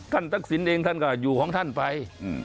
ท่านทักศิลป์เองท่านก็อยู่ของท่านไป